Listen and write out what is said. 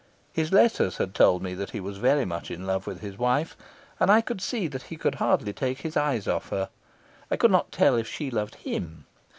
His letters had told me that he was very much in love with his wife, and I saw that he could hardly take his eyes off her. I could not tell if she loved him.